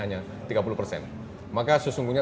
hanya tiga puluh persen maka sesungguhnya